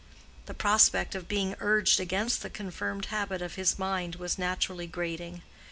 The prospect of being urged against the confirmed habit of his mind was naturally grating.